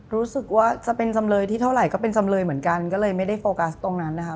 รู้สึกว่าจะเป็นจำเลยที่เท่าไหร่ก็เป็นจำเลยเหมือนกันก็เลยไม่ได้โฟกัสตรงนั้นนะคะ